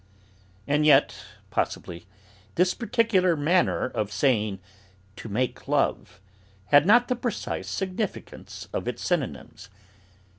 And yet possibly this particular manner of saying "to make love" had not the precise significance of its synonyms.